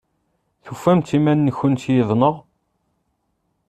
Tufamt iman-nkent yid-neɣ?